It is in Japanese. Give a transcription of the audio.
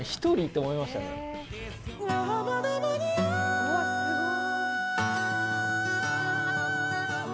うわ、すごい！